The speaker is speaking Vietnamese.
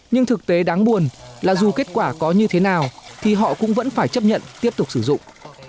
nhưng thực tế đáng buồn là dù kết quả có như thế nào thì họ cũng vẫn phải chấp nhận tiếp tục sử dụng